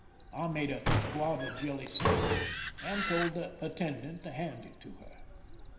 I made a guava jelly sandwich, and told the attendant to hand it to her.